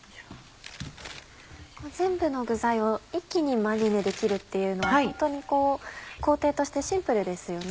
全部の具材を一気にマリネできるっていうのはホントに工程としてシンプルですよね。